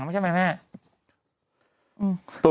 ขออีกทีอ่านอีกที